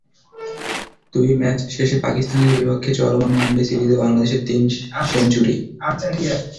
দুই ম্যাচ শেষে পাকিস্তানের বিপক্ষে চলমান ওয়ানডে সিরিজে বাংলাদেশের তিন সেঞ্চুরি।